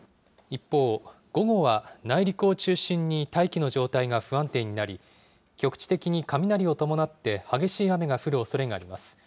一方、午後は内陸を中心に大気の状態が不安定になり、局地的に雷を伴って激しい雨が降るおそれがあります。